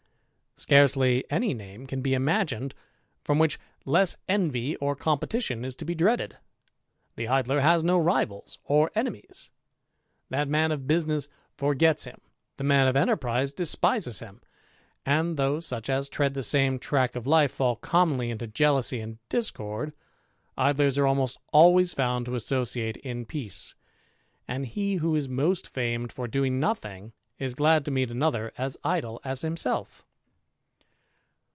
Scarcely any name can be imagined from which less envy or competition is to be dreaded. The Idler has no rivals or enemies. The man of business forgets him \ the man of enterprise despises him \ and though such as tread the same track of life fall commonly into jealousy and discord, Idlers are always found to associate in peace; and he who is most famed for doing nothing, is glad to meet another as idle as himself.